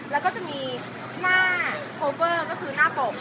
แล้วก็จะมีหน้าโคเวอร์ก็คือหน้าผม